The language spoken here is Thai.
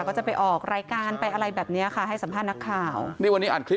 ก็จะไปออกรายการไปอะไรแบบเนี้ยค่ะให้สัมภาษณ์นักข่าวนี่วันนี้อัดคลิป